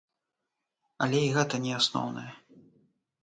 Але і гэта не асноўнае.